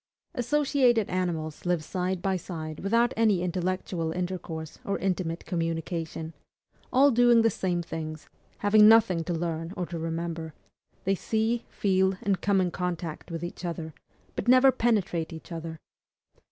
Associated animals live side by side without any intellectual intercourse or intimate communication, all doing the same things, having nothing to learn or to remember; they see, feel, and come in contact with each other, but never penetrate each other.